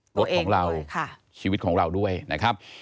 ตัวเองด้วยลดของเราชีวิตของเราด้วยนะครับ